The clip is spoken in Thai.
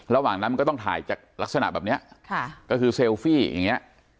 ระหว่างนั้นมันก็ต้องถ่ายจากลักษณะแบบเนี้ยค่ะก็คือเซลฟี่อย่างเงี้ย